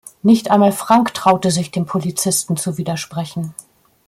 Nicht einmal Frank traute sich dem Polizisten zu widersprechen.